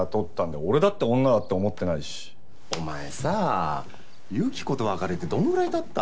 お前さあ由紀子と別れてどんぐらい経った？